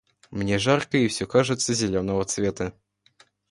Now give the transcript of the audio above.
Мне жарко, и всё кажется зелёного цвета.